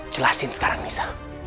jelasin sekarang nisa